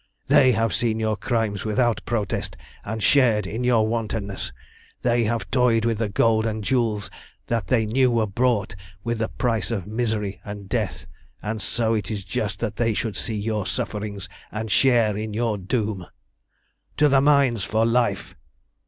"They have seen your crimes without protest, and shared in your wantonness. They have toyed with the gold and jewels which they knew were bought with the price of misery and death, and so it is just that they should see your sufferings and share in your doom. "To the mines for life!